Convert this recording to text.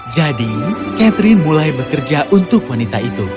jadi catherine mulai bekerja untuk wanita itu